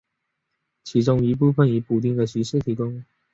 其中一些部分以补丁的形式提供。